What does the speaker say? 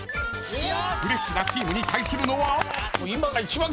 ［フレッシュなチームに対するのは］